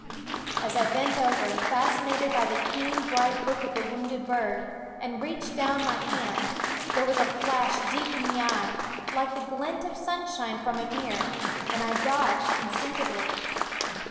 As I bent over, fascinated by the keen, bright look of the wounded bird, and reached down my hand, there was a flash deep in the eye, like the glint of sunshine from a mirror; and I dodged instinctively.